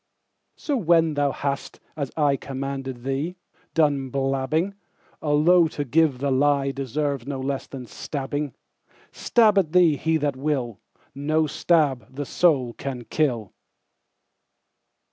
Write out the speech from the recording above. So when thou hast, as ICommanded thee, done blabbing,—Although to give the lieDeserves no less than stabbing,—Stab at thee he that will, No stab the soul can kill.